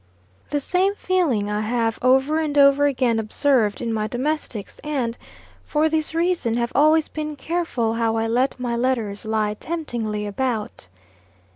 The same feeling I have over and over again observed in my domestics, and, for this reason, have always been careful how I let my letters lie temptingly about.